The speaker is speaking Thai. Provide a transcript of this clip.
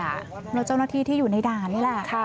แล้วเจ้าหน้าที่ที่อยู่ในด่านนี่แหละ